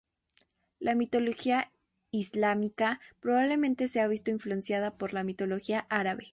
La mitología islámica probablemente se ha visto influenciada por la Mitología árabe.